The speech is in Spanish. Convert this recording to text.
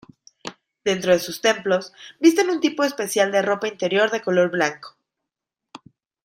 Dentro de sus templos visten un tipo especial de ropa interior de color blanco.